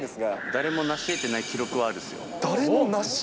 誰も成しえてない記録はあるっすよ。